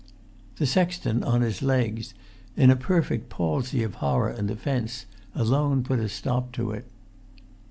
The sexton on his legs, in a perfect palsy of horror and offence, alone put a stop to it.